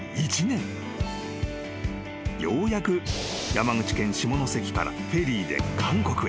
［ようやく山口県下関からフェリーで韓国へ］